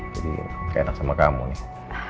jadi keenak sama kamu nih